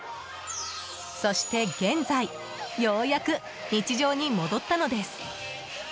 そして現在、ようやく日常に戻ったのです。